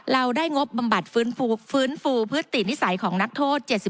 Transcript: เราได้งบบำบัดฟื้นฟูพฤตินิสัยของนักโทษ๗๐